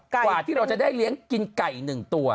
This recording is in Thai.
กว่าที่เราจะได้เลี้ยงกินไก่๑ตัว